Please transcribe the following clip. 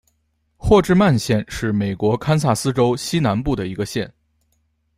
霍治曼县是美国堪萨斯州西南部的一个县。